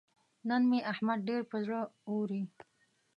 نن مې احمد ډېر پر زړه اوري.